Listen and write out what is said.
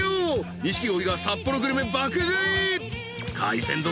錦鯉が札幌グルメ爆買い！